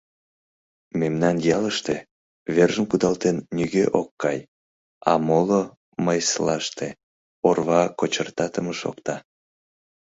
Мемнан ялыште вержым кудалтен нигӧ ок кай, а моло мыйслаште орва кочыртатыме шокта.